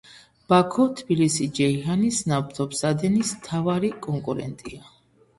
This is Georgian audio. ბაქო-თბილისი-ჯეიჰანის ნავთობსადენის მთავარი კონკურენტია.